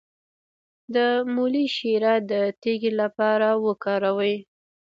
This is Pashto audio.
د مولی شیره د تیږې لپاره وکاروئ